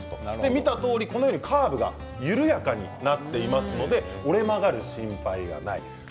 見たとおりカーブが緩やかになっていますので折れ曲がる心配はない。